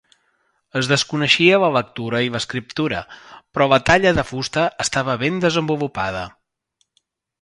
Es desconeixia la lectura i l'escriptura, però la talla de fusta estava ben desenvolupada.